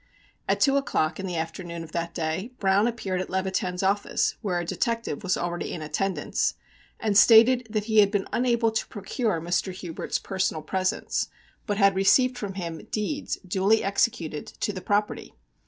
At two o'clock in the afternoon of that day Browne appeared at Levitan's office (where a detective was already in attendance) and stated that he had been unable to procure Mr. Hubert's personal presence, but had received from him deeds, duly executed, to the property.